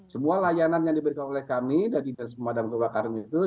semua layanan yang diberikan oleh kami dari dinas pemadam kebakaran itu